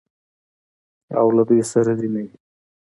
او له دوی سره دې نه وي.